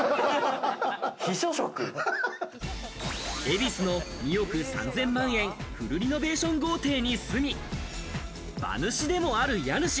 恵比寿の２億３０００万円フルリノベーション豪邸に住み、馬主でもある家主。